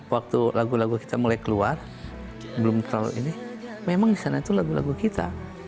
waktu lagu lagu kita mulai keluar belum terlalu ini memang di sana itu lagu lagu kita